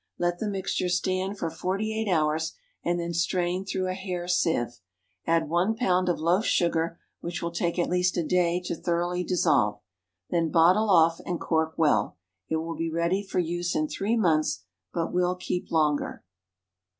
Let the mixture stand for forty eight hours, and then strain through a hair sieve. Add one pound of loaf sugar, which will take at least a day to thoroughly dissolve. Then bottle off, and cork well. It will be ready for use in three months, but will keep longer.